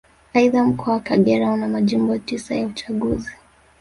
Aidha Mkoa wa Kagera una Majimbo tisa ya uchaguzi